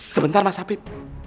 sebentar mas afif